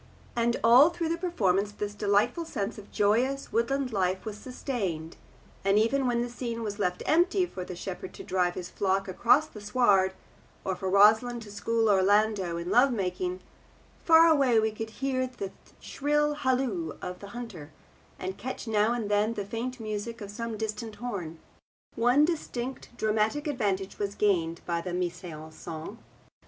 And all through the performance this delightful sense of joyous woodland life was sustained, and even when the scene was left empty for the shepherd to drive his flock across the sward, or for Rosalind to school Orlando in love making, far away we could hear the shrill halloo of the hunter, and catch now and then the faint music of some distant horn. One distinct dramatic advantage was gained by the mise en scene.